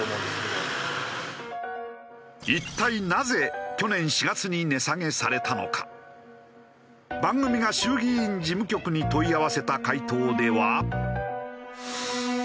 一体番組が衆議院事務局に問い合わせた回答では。